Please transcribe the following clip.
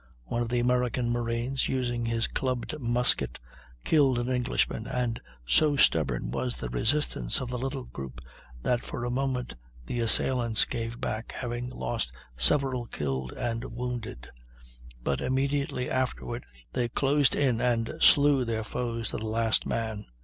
One of the American marines, using his clubbed musket, killed an Englishman, and so stubborn was the resistance of the little group that for a moment the assailants gave back, having lost several killed and wounded; but immediately afterward they closed in and slew their foes to the last man.